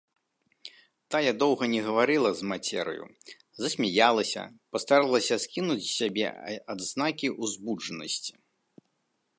Тая доўга не гаварыла з мацераю, засмяялася, пастаралася скінуць з сябе адзнакі ўзбуджанасці.